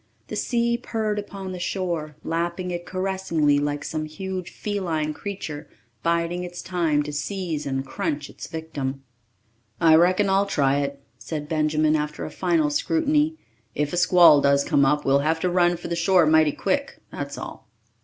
The sea purred upon the shore, lapping it caressingly like some huge feline creature biding its time to seize and crunch its victim. "I reckon I'll try it," said Benjamin after a final scrutiny. "If a squall does come up, we'll have to run for the shore mighty quick, that's all."